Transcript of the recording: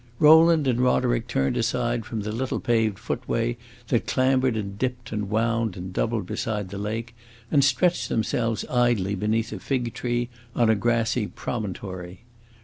Rowland and Roderick turned aside from the little paved footway that clambered and dipped and wound and doubled beside the lake, and stretched themselves idly beneath a fig tree, on a grassy promontory.